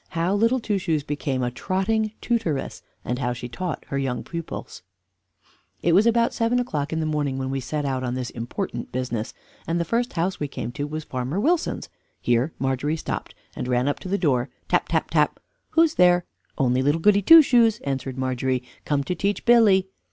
V HOW LITTLE TWO SHOES BECAME A TROTTING TUTORESS, AND HOW SHE TAUGHT HER YOUNG PUPILS It was about seven o'clock in the morning when we set out on this important business, and the first house we came to was Farmer Wilson's. Here Margery stopped, and ran up to the door, tap, tap, tap. "Who's there?" "Only Little Goody Two Shoes," answered Margery, "come to teach Billy."